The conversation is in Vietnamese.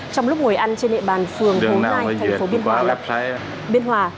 trong lúc ngồi ăn trên hệ bàn phường hồ nai thành phố biên hòa